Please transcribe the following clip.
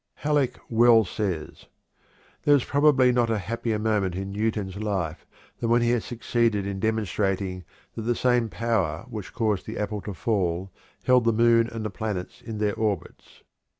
Halleck well says: "There was probably not a happier moment in Newton's life than when he had succeeded in demonstrating that the same power which caused the apple to fall held the moon and the planets in their orbits.